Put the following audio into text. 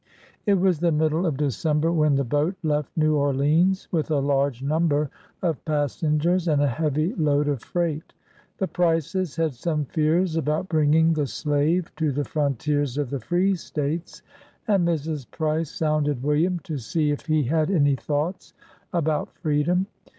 It was the middle of December when the boat left New Orleans, with a large number of passen gers and a heavy load of freight. The Prices had some fears about bringing the slave to the frontiers of the free States, and Mrs. Price sounded William, to see if he had any thoughts about freedom.